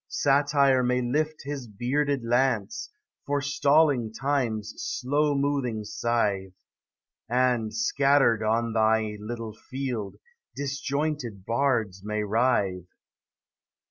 Satire may lift his bearded lance, Forestalling Time's slow moving scythe, And, scattered on thy little field, Disjointed bards may writhe.